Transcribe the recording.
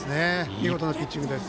見事なピッチングです。